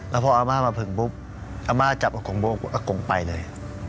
แล้วพออาม่ามาถึงปุ๊บอาม่าจับอากงอากงไปเลย